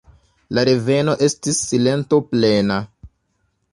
La reveno estis silentoplena.